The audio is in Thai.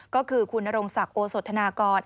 ก็คือคุณนรงศักดิ์โอสธนากร